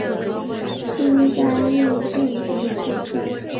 今嘉义县竹崎乡。